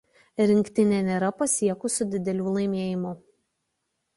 Rinktinė nėra pasiekusi didelių laimėjimų.